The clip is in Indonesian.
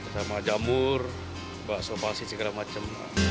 sama jamur bakso pasi segala macam